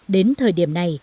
đến thời điểm này